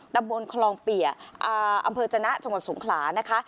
ตำบลคลองเปียอำเภอจนะจังหวัดสงขลานะคะ